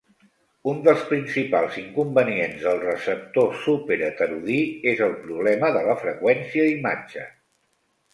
Un dels principals inconvenients del receptor superheterodí és el problema de la "freqüència imatge".